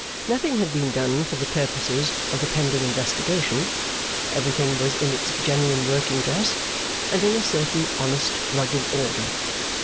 Nothing had been done for the purposes of the pending investigation; everything was in its genuine working dress, and in a certain honest rugged order.